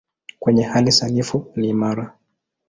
Kwenye hali sanifu ni imara.